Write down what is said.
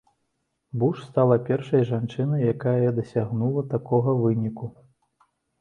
Буш стала першай жанчынай, якая дасягнула такога выніку.